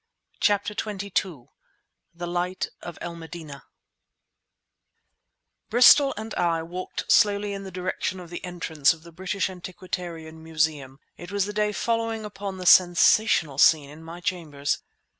CHAPTER XXII THE LIGHT OF EL MEDINEH Bristol and I walked slowly in the direction of the entrance of the British Antiquarian Museum. It was the day following upon the sensational scene in my chambers.